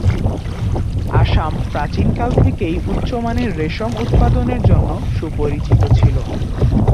আসাম প্রাচীন কাল থেকেই উচ্চমানের রেশম উৎপাদনের জন্য সুপরিচিত ছিল।